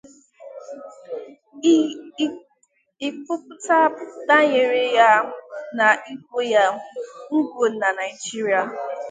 ikwupụta banyere ya na igwọ ya n'oge na Nigeria.